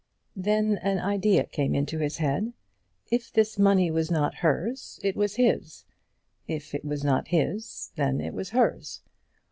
Then an idea came into his head. If this money was not hers, it was his. If it was not his, then it was hers.